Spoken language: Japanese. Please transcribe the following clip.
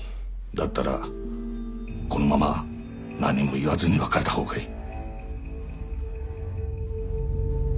だったらこのまま何も言わずに別れた方がいい。